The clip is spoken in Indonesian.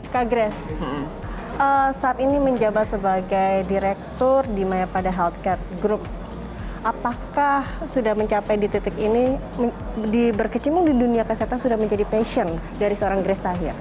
kak grace saat ini menjabat sebagai direktur di mayapada healthcare group apakah sudah mencapai di titik ini berkecimpung di dunia kesehatan sudah menjadi passion dari seorang grace tahir